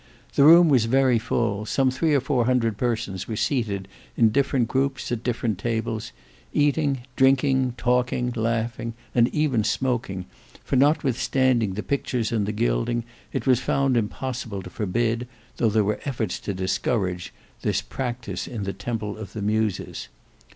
The room was very full; some three or four hundred persons were seated in different groups at different tables, eating, drinking, talking, laughing, and even smoking, for notwithstanding the pictures and the gilding it was found impossible to forbid, though there were efforts to discourage, this practice, in the Temple of the Muses.